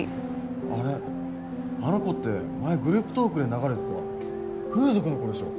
あれあの子って前グループトークで流れてた風俗の子でしょ。